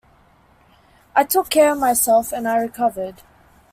I took care of myself and I recovered.